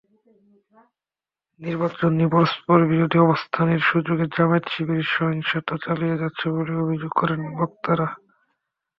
নির্বাচন নিয়ে পরস্পরবিরোধী অবস্থানের সুযোগে জামায়াত-শিবির সহিংসতা চালিয়ে যাচ্ছে বলে অভিযোগ করেন বক্তারা।